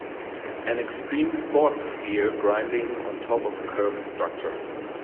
An extreme sports skier grinding on top of a curved structure